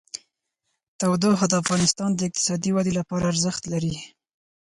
تودوخه د افغانستان د اقتصادي ودې لپاره ارزښت لري.